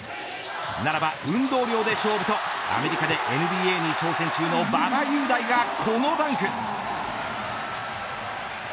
ならば、運動量で勝負とアメリカでＮＢＡに挑戦中の馬場雄大がこのダンク。